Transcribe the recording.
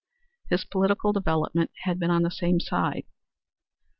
His political development had been on the same side.